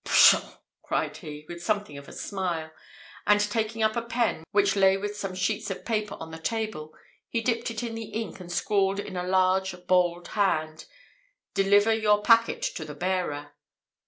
"Pshaw!" cried he, with something of a smile; and taking up a pen, which lay with some sheets of paper on the table, he dipped it in the ink, and scrawled in a large, bold hand, "Deliver your packet to the bearer.